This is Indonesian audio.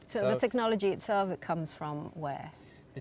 jadi teknologi itu dari mana